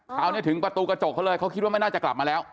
ถึงประตูกระจกเขาเลยเขาคิดว่าไม่น่าจะกลับมาแล้ว